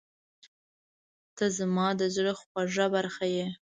• ته زما د زړه خوږه برخه یې.